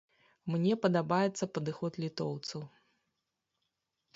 Мне падабаецца падыход літоўцаў.